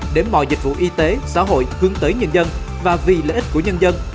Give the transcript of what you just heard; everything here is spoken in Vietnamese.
để mọi dịch vụ y tế xã hội hướng tới nhân dân và vì lợi ích của nhân dân